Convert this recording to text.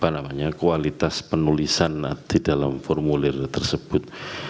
apa namanya kualitas penulisan di dalam formulir tersebut